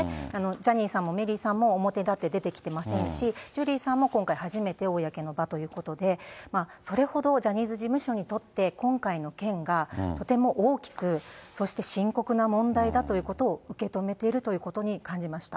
ジャニーさんもメリーさんも、表だって出てきていませんし、ジュリーさんも今回、初めて公の場ということで、それほどジャニーズ事務所にとって今回の件がとても大きく、そして深刻な問題だということを受け止めているということに感じました。